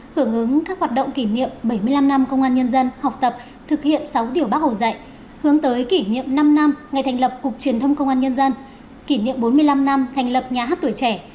hưởng ứng các hoạt động kỷ niệm bảy mươi năm năm công an nhân dân học tập thực hiện sáu điều bác hồ dạy hướng tới kỷ niệm năm năm ngày thành lập cục truyền thông công an nhân dân kỷ niệm bốn mươi năm năm thành lập nhà hát tuổi trẻ